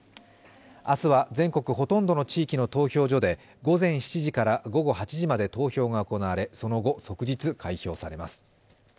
明日は全国ほとんどの地域の投票所で午前７時から午後８時まで投票が行われその後、即日開票されます。